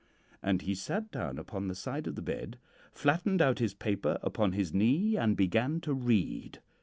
And he sat down upon the side of the bed, flattened out his paper upon his knee, and began to read.